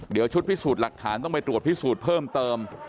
เดี๋ยวชุดพิสูจน์หลักฐานต้องไปตรวจพิสูจน์เพิ่มเติม